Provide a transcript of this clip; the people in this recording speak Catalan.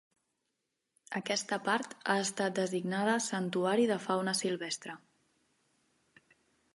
Aquesta part ha estat designada santuari de fauna silvestre.